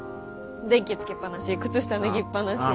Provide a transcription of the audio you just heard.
電気つけっぱなし靴下脱ぎっぱなし。